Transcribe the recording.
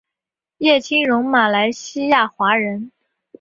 叶清荣马来西亚华人。